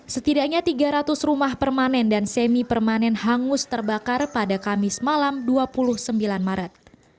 setidaknya tiga ratus rumah permanen dan semi permanen hangus terbakar pada kamis malam dua puluh sembilan maret